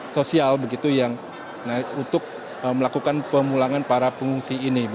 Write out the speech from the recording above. sosial begitu yang untuk melakukan pemulangan para pengungsi ini